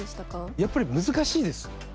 やっぱり難しいです。